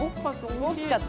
大きかった？